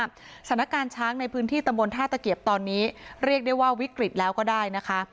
สถานการณ์ช้างในพื้นที่ตำบลท่าตะเกียบตอนนี้เรียกได้ว่าวิกฤตแล้วก็ได้นะคะ